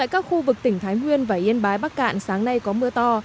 các khu vực tỉnh thái nguyên và yên bái bắc cạn sáng nay có mưa to